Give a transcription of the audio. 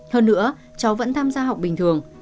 hơn nữa cháu vẫn tham gia học bình thường